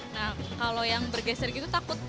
nah kalau yang bergeser gitu takut